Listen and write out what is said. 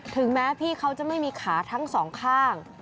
ถึงแม้พี่เขาจะไม่มีขาทั้งสองข้าง